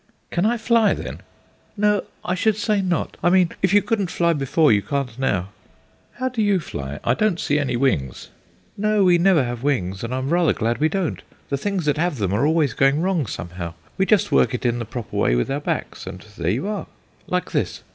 "Can I fly, then?" "No, I should say not; I mean, if you couldn't fly before, you can't now." "How do you fly? I don't see any wings." "No, we never have wings, and I'm rather glad we don't; the things that have them are always going wrong somehow. We just work it in the proper way with our backs, and there you are; like this."